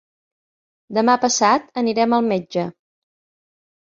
Demà passat anirem al metge.